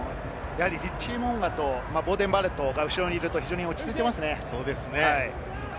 リッチー・モウンガとボーデン・バレットがいると、非常に落ち着いていますね。